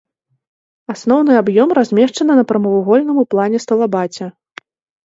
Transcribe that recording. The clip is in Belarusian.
Асноўны аб'ём размешчаны на прамавугольным у плане стылабаце.